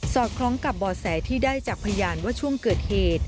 อดคล้องกับบ่อแสที่ได้จากพยานว่าช่วงเกิดเหตุ